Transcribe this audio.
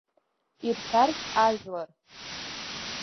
Ирҳәартә ажәлар…